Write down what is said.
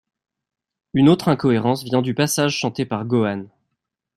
Une autre incohérence vient du passage chanté par Gohan.